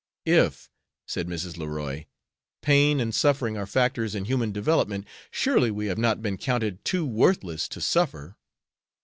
"If," said Mrs. Leroy, "pain and suffering are factors in human development, surely we have not been counted too worthless to suffer."